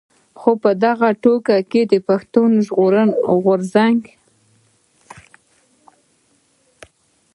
خو په دغه ټولګه کې د پښتون ژغورني غورځنګ.